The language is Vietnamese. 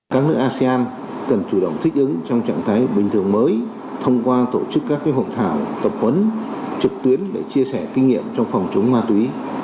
các nước asean cần chủ động thích ứng trong trạng thái bình thường mới thông qua tổ chức các hội thảo tập huấn trực tuyến để chia sẻ kinh nghiệm trong phòng chống ma túy